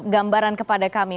gambaran kepada kami